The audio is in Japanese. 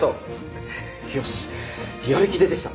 よしやる気出てきた。